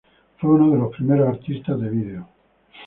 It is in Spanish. Fue uno de los primeros artistas de vídeo.